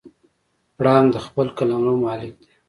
پړانګ د خپل قلمرو مالک دی.